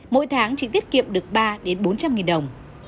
mỗi tháng chị tiết kiệm được ba bốn trăm linh nghìn đồng